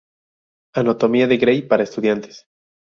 Anatomía de Gray para estudiantes.